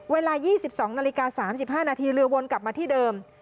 เวลา๒๒นาฬิกา๓๕นาทีเรือวนกลับมาที่เดิม